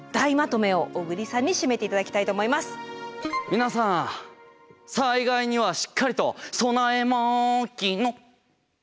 皆さん災害にはしっかりと備えまきの！